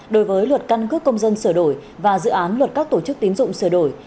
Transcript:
đối với luật căn cước công dân sửa đổi và dự án luật các tổ chức tín dụng sửa đổi